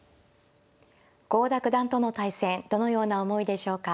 郷田九段との対戦どのような思いでしょうか。